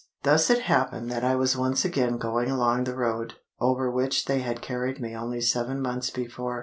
Thus it happened that I was once again going along the road, over which they had carried me only seven months before.